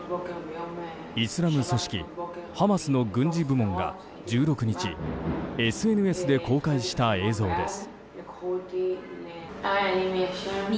イスラム組織ハマスの軍事部門が１６日ＳＮＳで公開した映像です。